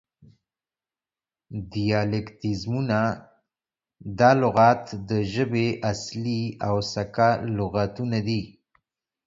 دیالیکتیزمونه: دا لغات د ژبې اصلي او سکه لغتونه دي